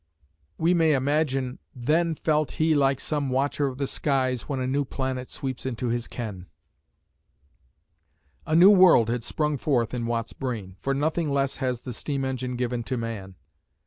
We may imagine "Then felt he like some watcher of the skies When a new planet sweeps into his ken." A new world had sprung forth in Watt's brain, for nothing less has the steam engine given to man.